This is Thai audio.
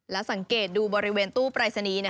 แล้วสังเกตดูบริเวณตู้ปลายสนี